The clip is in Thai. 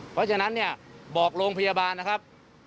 เพราะฉะนั้นเนี่ยบอกโรงพยาบาลนะครับ